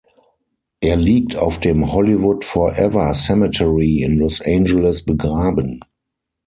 Er liegt auf dem Hollywood Forever Cemetery in Los Angeles begraben.